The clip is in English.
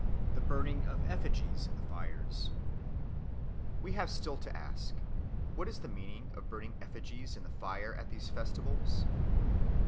The Burning of Effigies in the Fires WE have still to ask, What is the meaning of burning effigies in the fire at these festivals?